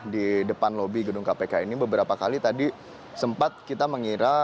di depan lobi gedung kpk ini beberapa kali tadi sempat kita mengira